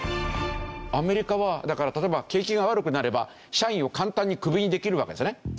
アメリカはだから例えば景気が悪くなれば社員を簡単にクビにできるわけですね。